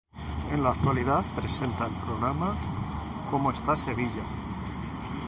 En la actualidad presenta el programa ¡Como está Sevilla!